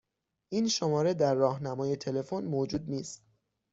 این شماره در راهنمای تلفن موجود نیست.